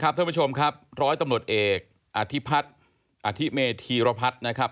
ท่านผู้ชมครับร้อยตำรวจเอกอธิพัฒน์อธิเมธีรพัฒน์นะครับ